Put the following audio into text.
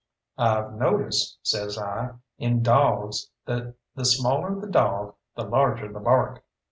"I've noticed," says I, "in dawgs that the smaller the dawg, the larger the bark.